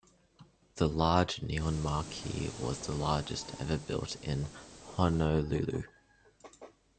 The large neon marquee was the largest ever built in Honolulu.